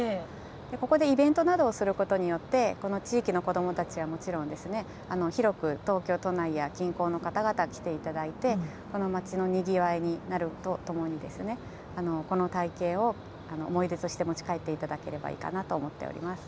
ここでイベントなどをすることによって、この地域の子どもたちはもちろんですね、広く東京都内や近郊の方々に来ていただいて、この街のにぎわいになるとともに、この体験を思い出として持ち帰っていただければいいかなと思っております。